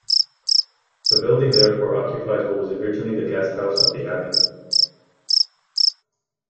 The building therefore occupies what was originally the guest house of the abbey.